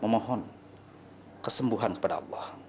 memohon kesembuhan kepada allah